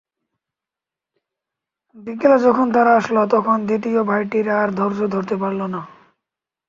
বিকেলে যখন তারা আসল, তখন দ্বিতীয় ভাইটি আর ধৈর্য ধরতে পারল না।